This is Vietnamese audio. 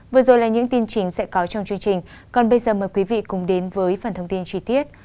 vừa rồi là những tin trình sẽ có trong chương trình còn bây giờ mời quý vị cùng đến với phần thông tin chi tiết